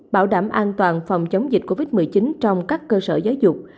bảo đảm an toàn phòng chống dịch covid một mươi chín trong các cơ sở giáo dục